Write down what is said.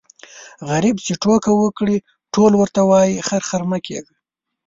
غريب چي ټوکه وکړي ټول ورته وايي خر خر مه کېږه.